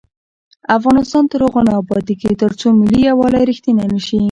افغانستان تر هغو نه ابادیږي، ترڅو ملي یووالی رښتینی نشي.